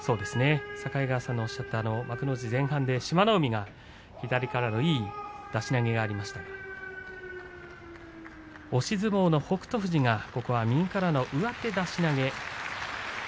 境川さんのおっしゃった幕内前半で志摩ノ海が左からのいい出し投げがありましたが押し相撲の北勝富士がここは右からの上手出し投げ。